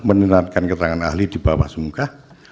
mendengarkan keterangan ahli di bawah sumpah